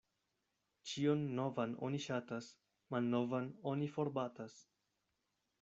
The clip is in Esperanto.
Ĉion novan oni ŝatas, malnovan oni forbatas.